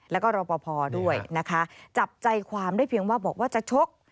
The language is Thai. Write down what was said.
แล้วก็รอปภด้วยนะคะจับใจความได้เพียงว่าบอกว่าจะชก